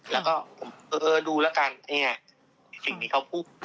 แล้วก็ดูแล้วกันอย่างไงอยู่ที่นี่เขาพูด